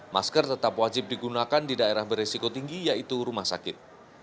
masker tetap wajib digunakan di daerah beresiko tinggi yaitu rumah sakit